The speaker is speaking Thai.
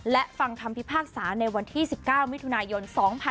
และฟังคำพิพากษาในวันที่๑๙มิถุนายน๒๕๖๒